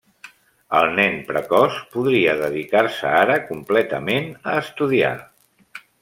El nen precoç podria dedicar-se ara completament a estudiar.